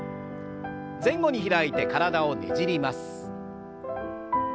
前後に開いて体をねじります。